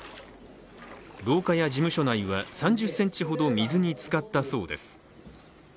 廊下や事務所内は３０ｃｍほど水に浸かったそうです。